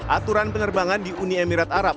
aturan penerbangan di uni emirat arab